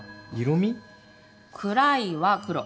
「暗い」は黒。